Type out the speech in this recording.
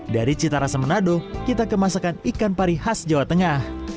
dari citarasa menado kita kemasakan ikan pari khas jawa tengah